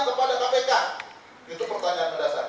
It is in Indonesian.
itu pertanyaan berdasarnya